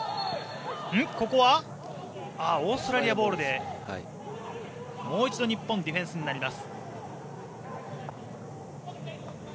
ここは、オーストラリアボールでもう一度日本ディフェンスになります。